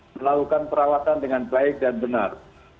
melakukan perawatan dengan baik dan benar